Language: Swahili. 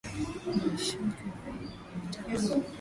Imeshuka na niliyoitaka.